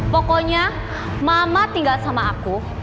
pokoknya mama tinggal sama aku